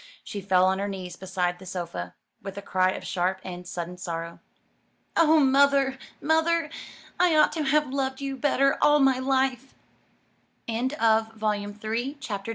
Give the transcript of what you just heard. She fell on her knees beside the sofa, with a cry of sharp and sudden sorrow. "Oh mother, mother! I ought to have loved you better all my life!" CHAPTER XI. The Bluebeard Chamber.